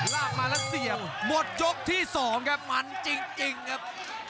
ลากมาแล้วเสียบหมดยกที่๒ครับมันจริงครับ